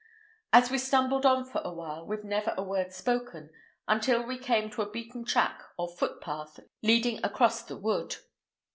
So we stumbled on for a while, with never a word spoken, until we came to a beaten track or footpath leading across the wood.